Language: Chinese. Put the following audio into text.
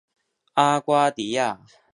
阿瓜迪亚。